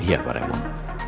iya pak remon